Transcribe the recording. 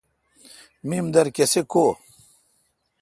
میمدر کسے کو°